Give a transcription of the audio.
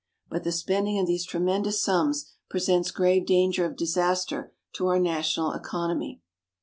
But the spending of these tremendous sums presents grave danger of disaster to our national economy.